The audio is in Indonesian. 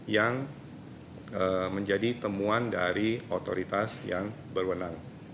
yang menjadi temuan dari otoritas yang berwenang